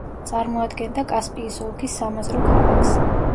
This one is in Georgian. წარმოადგენდა კასპიის ოლქის სამაზრო ქალაქს.